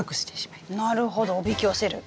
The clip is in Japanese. なるほどおびき寄せる。